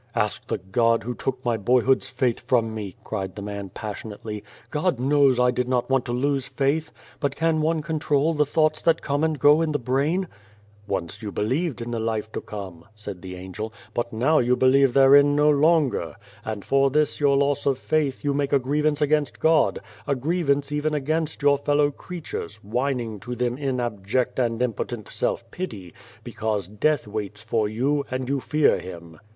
"Ask the God who took my boyhood's faith from me," cried the man passionately. " God knows I did not want to lose faith. But can one control the thoughts that come and go in the brain ?"" Once you believed in the life to come," said the Angel, "but now you believe therein no longer, and for this your loss of faith you make a grievance against God a grievance even against your fellow creatures, whining to them in abject and impotent self pity, because Death waits for you, and you fear Him.